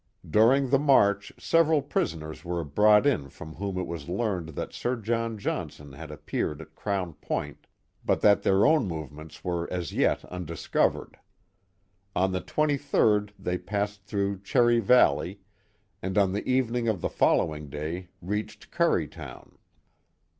During the march several prisoncn were brought in from whom it was learned that Sir John Johnson had appeared at Crown Point, but ihat their own movciuenis were as yet undiscovered. On the Jjd they passed through Cherry Valley . and on the evening of the fotlowing day reached Curry town.